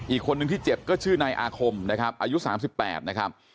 อีกคนนึงที่เจ็บก็ชื่อนายอาคมนะครับอายุ๓๘นะครับ